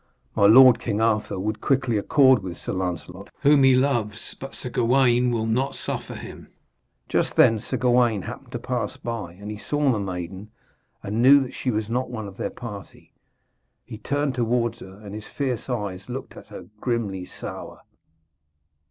My lord, King Arthur, would quickly accord with Sir Lancelot, whom he loves, but Sir Gawaine will not suffer him.' Just then Sir Gawaine happened to pass by, and saw the maiden, and knew that she was not one of their party. He turned towards her, and his fierce eyes looked at her, grimly sour.